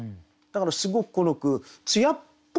だからすごくこの句艶っぽい。